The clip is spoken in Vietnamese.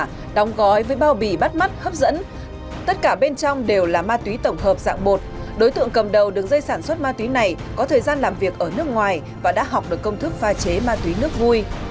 cà phê nước hòa đóng gói với bao bì bắt mắt hấp dẫn tất cả bên trong đều là ma túy tổng hợp dạng bột đối tượng cầm đầu đứng dây sản xuất ma túy này có thời gian làm việc ở nước ngoài và đã học được công thức pha chế ma túy nước vui